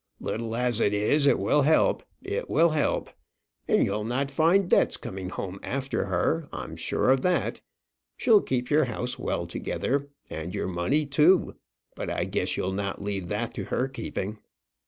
Little as it is, it will help it will help. And you'll not find debts coming home after her; I'm sure of that. She'll keep your house well together; and your money too but I guess you'll not leave that to her keeping.